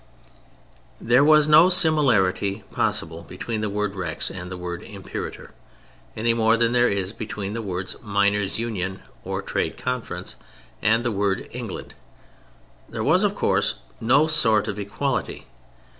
There was no similarity possible between the word Rex and the word Imperator, any more than there is between the words "Miners' Union" or "Trade Conference" and the word "England." There was, of course, no sort of equality.